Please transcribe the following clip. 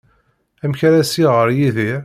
Amek ara as-iɣer Yidir?